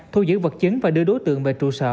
thu giữ vật chứng và đưa đối tượng về trụ sở